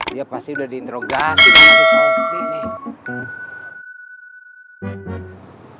dia pasti udah diinterogasi sama si sopi nih